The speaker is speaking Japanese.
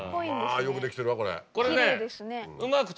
まぁよくできてるわこれ。